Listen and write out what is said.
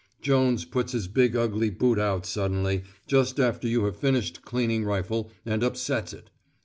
Jones puts his big ugly boot out suddenly, just after you have finished cleaning rifle, and upsets it.